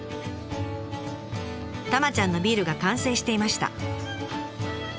たまちゃんのビールが完成していました。